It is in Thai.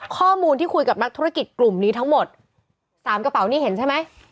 ข้อมูลที่คุยกับนักธุรกิจกลุ่มนี้ทั้งหมด๓กระเป๋านี่เห็นใช่ไหม